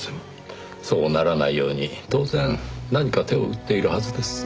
そうならないように当然何か手を打っているはずですよ。